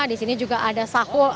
di sini juga ada sahur